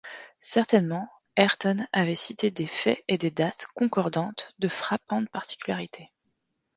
Certainement, Ayrton avait cité des faits et des dates concordantes, de frappantes particularités.